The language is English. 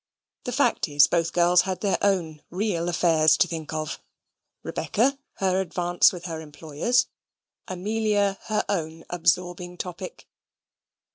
The fact is, both girls had their own real affairs to think of: Rebecca her advance with her employers Amelia her own absorbing topic.